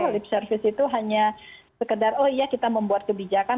lip service itu hanya sekedar oh iya kita membuat kebijakan